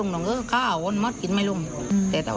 ก็ต้องตามเสนอโทษ